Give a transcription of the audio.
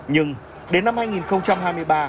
nhưng đến năm hai nghìn hai mươi ba